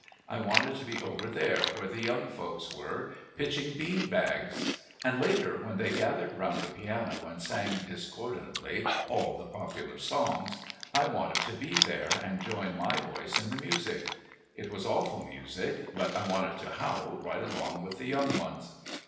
I wanted to be over there where the young folks were, pitching bean bags. And later, when they gathered around the piano and sang discordantly all the popular songs, I wanted to be there and join my voice in the music. It was awful music, but I wanted to howl right along with the young ones.